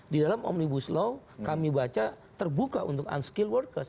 di dalam omnibus law kami baca terbuka untuk unskill workers